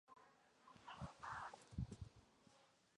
El estatus de hito natural no se transfiere con cambios en la propiedad.